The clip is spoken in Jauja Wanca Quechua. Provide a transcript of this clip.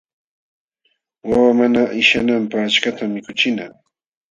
Wawa mana qishyananpaq achkatam mikuchina.